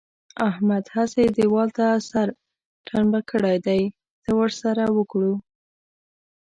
احمد هسې دېوال ته سر ټنبه کړی دی؛ څه ور سره وکړو؟!